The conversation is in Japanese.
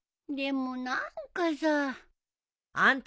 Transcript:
でも何かさあ。